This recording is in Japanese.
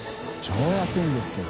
安いんですけど。